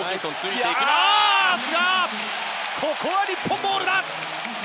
ここは日本ボールだ！